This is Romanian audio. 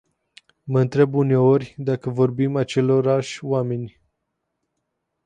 Mă întreb uneori dacă vorbim acelorași oameni.